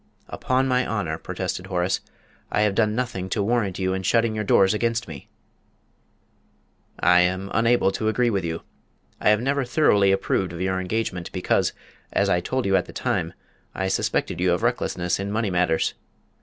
"Upon my honour," protested Horace, "I have done nothing to warrant you in shutting your doors against me." "I am unable to agree with you. I have never thoroughly approved of your engagement, because, as I told you at the time, I suspected you of recklessness in money matters.